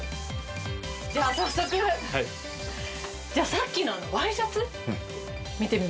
じゃあ早速さっきのワイシャツ見てみますか？